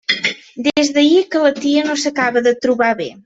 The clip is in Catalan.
Des d'ahir que la tia no s'acaba de trobar bé.